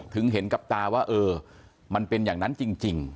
เห็นกับตาว่าเออมันเป็นอย่างนั้นจริง